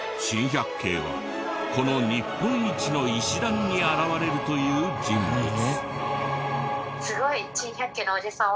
珍百景はこの日本一の石段に現れるという人物。